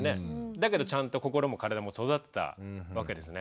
だけどちゃんと心も体も育ったわけですね。